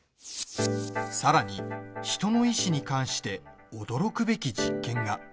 さらに、人の意志に関して驚くべき実験が。